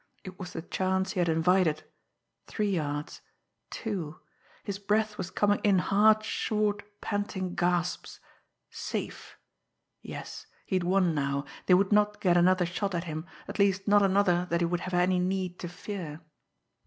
It was the chance he had invited three yards two his breath was coming in hard, short panting gasps safe! Yes! He had won now they would not get another shot at him, at least not another that he would have any need to fear!